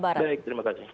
baik terima kasih